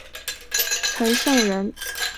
陈胜人。